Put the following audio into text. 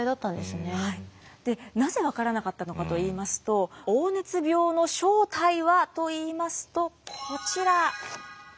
なぜ分からなかったのかといいますと黄熱病の正体はといいますとこちら。